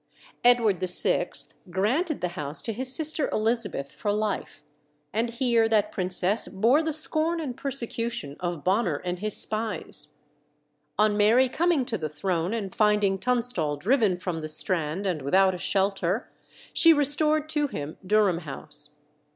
Edward VI. granted the house to his sister Elizabeth for life, and here that princess bore the scorn and persecution of Bonner and his spies. On Mary coming to the throne and finding Tunstall driven from the Strand and without a shelter, she restored to him Durham House.